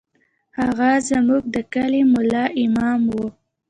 هغه زموږ د کلي ملا امام و.